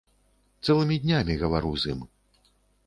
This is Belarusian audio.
Цэлымі днямі гавару з ім.